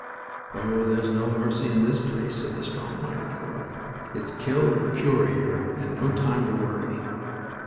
"Oh, there's no mercy in this place!" said the strong minded girl. "It's kill or cure here, and no time to worry."